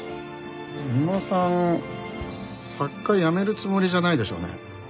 三馬さん作家やめるつもりじゃないでしょうね？